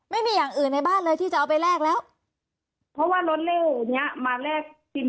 ไม่มีอย่างอื่นในบ้านเลยที่จะเอาไปแลกแล้วเพราะว่ารถเร็วเนี้ยมาแลกกิน